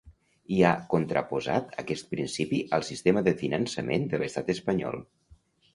I ha contraposat aquest principi al sistema de finançament de l’estat espanyol.